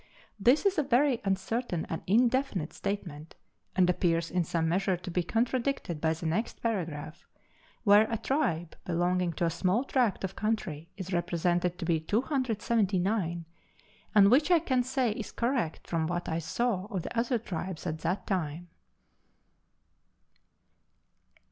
This is a very uncertain and indefinite statement, and appears in some measure to be contradicted by the next paragraph, where a tribe belonging to a small tract of country is represented' to be 279, and which I can say is correct from what I saw of the other tribes at that time.